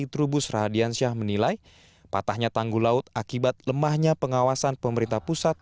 trubus radiansyah menilai patahnya tanggul laut akibat lemahnya pengawasan pemerintah pusat